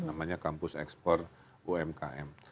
namanya kampus ekspor umkm